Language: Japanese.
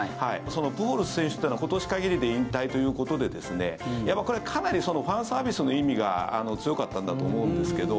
プホルス選手というのは今年限りで引退ということでこれ、かなりファンサービスの意味が強かったんだと思うんですけど。